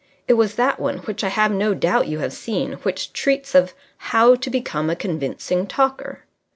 It was that one, which I have no doubt you have seen, which treats of "How to Become a Convincing Talker".